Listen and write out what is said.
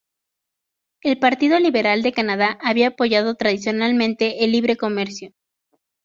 El Partido Liberal de Canadá había apoyado tradicionalmente el libre comercio.